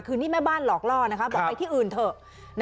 คือนี่แม่บ้านหลอกล่อนะคะบอกไปที่อื่นเถอะ